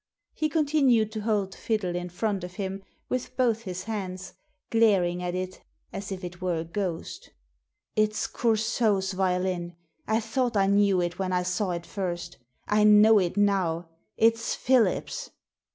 He continued to hold the fiddle in front of him with both his hands, glaring at it as if it were a ghost It's Coursault's violin. I thought I knew it when I saw it first I know it now. It's Philip's